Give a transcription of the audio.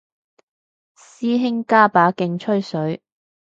師兄加把勁吹水